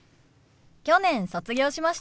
去年卒業しました。